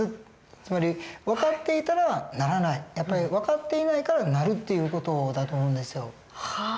つまり分かっていたらならない分かっていないからなるっていう事だと思うんですよ。